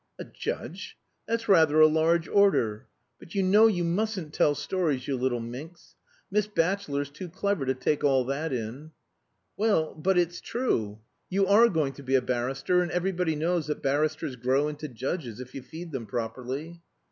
"A judge? That's rather a large order. But you know you mustn't tell stories, you little minx. Miss Batchelor's too clever to take all that in." "Well, but it's true. You are going to be a barrister, and everybody knows that barristers grow into judges, if you feed them properly."